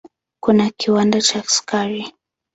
Kuna kiwanda cha sukari.